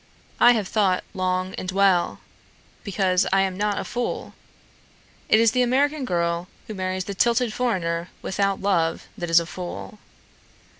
I have thought long and well, because I am not a fool. It is the American girl who marries the titled foreigner without love that is a fool.